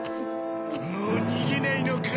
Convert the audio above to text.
もう逃げないのか？